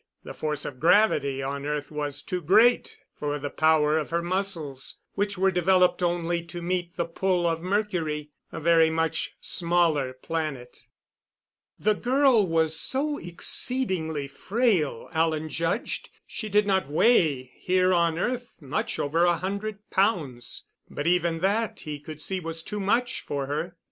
The force of gravity on earth was too great for the power of her muscles, which were developed only to meet the pull of Mercury a very much smaller planet. The girl was so exceedingly frail Alan judged she did not weigh, here on earth, much over a hundred pounds. But even that he could see was too much for her.